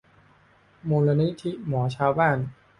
มูลนิธิหมอชาวบ้าน